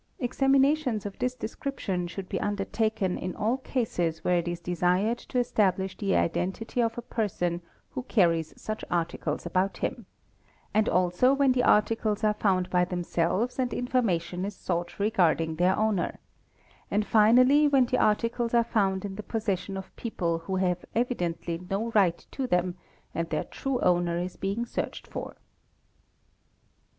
Examinations of this description should be undertaken in all cases where it is desired to establish the identity of a person who carries such articles about him, and also when the articles are found by 'themselves and information is sought regarding their owner, and finally when the articles are found in the possession of people who have evidently 'no right to them and their true owner is being searched for.